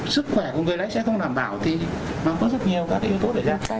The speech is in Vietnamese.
sức khỏe của người lái xe không đảm bảo thì nó có rất nhiều các yếu tố để ra